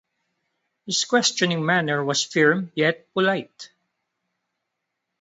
His questioning manner was firm yet polite.